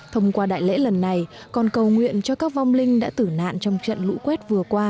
thông qua đại lễ lần này còn cầu nguyện cho các vong linh đã tử nạn trong trận lũ quét vừa qua